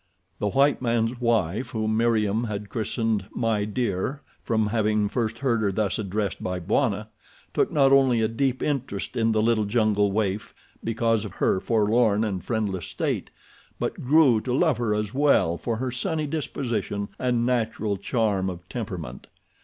The white man's wife, whom Meriem had christened "My Dear" from having first heard her thus addressed by Bwana, took not only a deep interest in the little jungle waif because of her forlorn and friendless state, but grew to love her as well for her sunny disposition and natural charm of temperament.